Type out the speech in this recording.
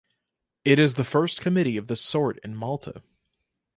It is the first committee of the sort in Malta.